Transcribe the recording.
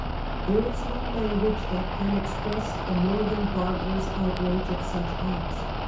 There is no language that can express the more than barbarous outrage of such acts.